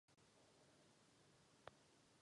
V oblasti se nachází také mnoho turistických stezek.